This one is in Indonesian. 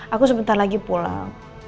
aku sebentar lagi pulang